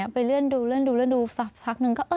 ไปเลื่อนดูหนึ่ง